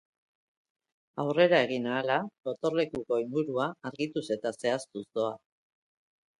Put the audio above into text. Aurrera egin ahala, gotorlekuko ingurua argituz eta zehaztuz doa.